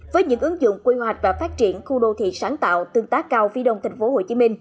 với những ứng dụng quy hoạch và phát triển khu đô thị sáng tạo tương tác cao phía đông thành phố hồ chí minh